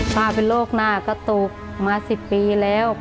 ป้าเป็นโรคหน้ากระตุกมา๑๐ปีแล้ว